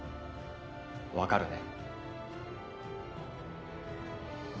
分かるね？